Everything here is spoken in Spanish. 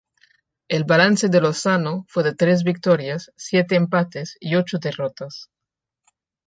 El balance de Lozano fue de tres victorias, siete empates y ocho derrotas.